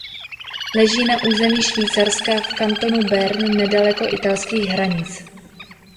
Leží na území Švýcarska v kantonu Bern nedaleko italských hranic.